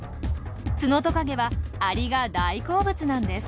ツノトカゲはアリが大好物なんです。